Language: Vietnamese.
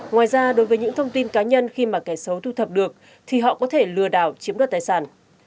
ngoài ra đối với những thông tin cá nhân khi mà kẻ xấu thu thập được thì họ có thể lừa đảo chiếm đoạt tài sản